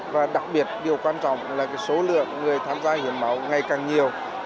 và đặc biệt điều quan trọng là số lượng người tham gia hiến máu ngày càng nhiều